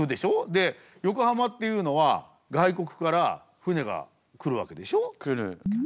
で横浜っていうのは外国から船が来るわけでしょ？来る。